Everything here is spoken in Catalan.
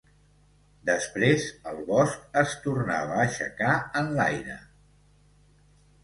Després, el bosc es tornava a aixecar en l'aire…